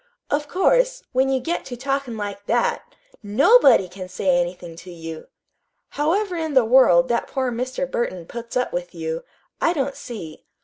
"Of course, when you get to talkin' like that, NOBODY can say anything to you! However in the world that poor Mr. Burton puts up with you, I don't see.